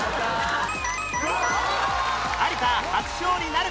有田初勝利なるか？